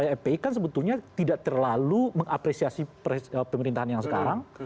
fpi kan sebetulnya tidak terlalu mengapresiasi pemerintahan yang sekarang